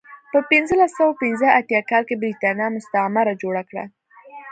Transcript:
په پنځلس سوه پنځه اتیا کال کې برېټانیا مستعمره جوړه کړه.